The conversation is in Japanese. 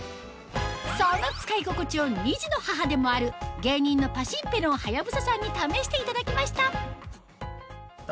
その使い心地を２児の母でもある芸人のパシンペロンはやぶささんに試していただきました何？